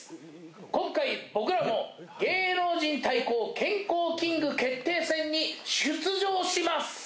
今回、僕らも、芸能人対抗健康キング決定戦に出場します。